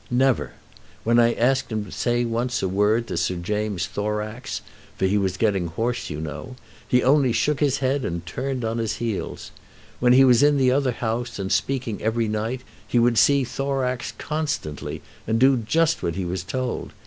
"Never. When I asked him once to say a word to Sir James Thorax, for he was getting hoarse, you know, he only shook his head and turned on his heels. When he was in the other House, and speaking every night, he would see Thorax constantly, and do just what he was told.